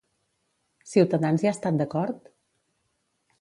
Cs hi ha estat d'acord?